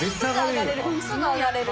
すぐあがれる。